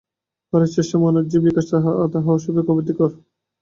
পরের চেষ্টায় মনের যে বিকাশ তাহা অস্বাভাবিক, অপ্রীতিকর।